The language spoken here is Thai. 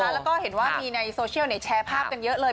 แล้วก็เห็นว่ามีในโซเชียลแชร์ภาพกันเยอะเลย